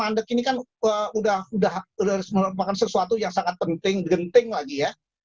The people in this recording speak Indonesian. mandek ini kan udah merupakan sesuatu yang sangat penting genting lagi ya